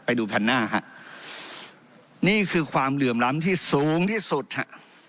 ไปดูพันหน้าฮะนี่คือความเหลื่อมล้ำที่สูงที่สุดฮะ